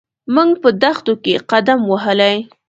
موږ په دښتو کې قدم وهلی.